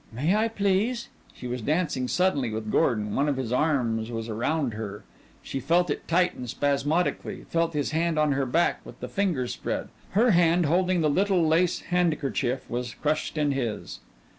"May I, please?" She was dancing suddenly with Gordon; one of his arms was around her; she felt it tighten spasmodically; felt his hand on her back with the fingers spread. Her hand holding the little lace handkerchief was crushed in his.